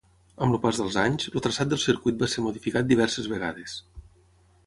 Amb el pas dels anys, el traçat del circuit va ser modificat diverses vegades.